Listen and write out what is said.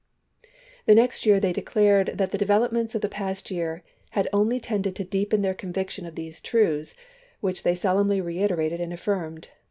The next year they declared that the de velopments of the past year had only tended to deepen their conviction of these truths, which they solemnly reiterated and aflSrmed.